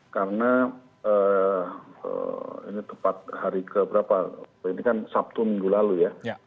karena ini tepat hari keberapa ini kan sabtu minggu lalu ya